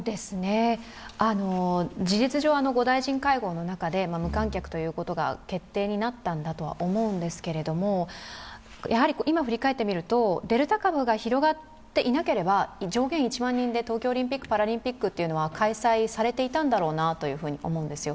事実上、５大臣会合の中で無観客ということが決定になったんだとは思うんですけれども、やはり今振り返ってみるとデルタ株が広がっていなければ上限１万人で東京オリンピック・パラリンピックは開催されていたんだろうなと思うんですよ。